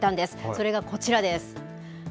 それがこちらです。